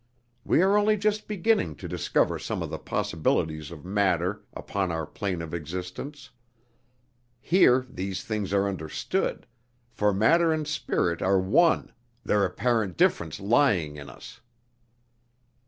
We are only just beginning to discover some of the possibilities of matter upon our plane of existence. Here these things are understood; for matter and spirit are one, their apparent difference lying in us."